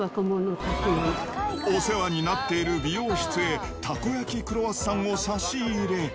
お世話になっている美容室へたこ焼きクロワッサンを差し入れ。